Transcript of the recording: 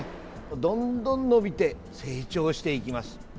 どんどん伸びて成長していきます。